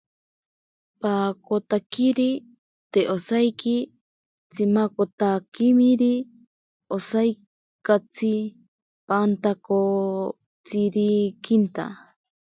Paakotakiri te osaiki tsimakotakimiri, osaikatsi pantakotsirikinta.